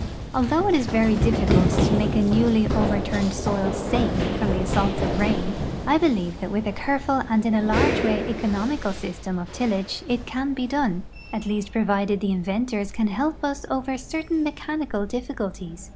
Although it is very difficult to make a newly overturned soil safe from the assaults of the rain, I believe that with a careful and in a large way economical S3^stem of tillage it can be done, at least provided the inventors can help us over certain me chanical difficulties.